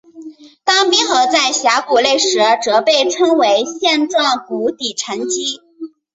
当冰河在峡谷内时则被称为线状谷底沉积。